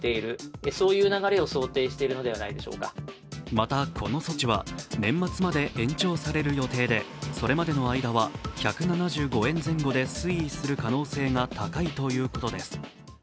また、この措置は年末まで延長される予定で、それまでの間は１７５円前後で推移する可能性が高いということです。